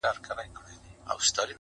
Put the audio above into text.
د سودا اخیستل هر چاته پلمه وه٫